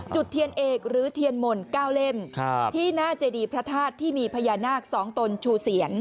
จุดเทียนเอกหรือเทียนหม่น๙เล่มที่หน้าเจดีพระธาตุที่มีพญานาค๒ตนชูเสียน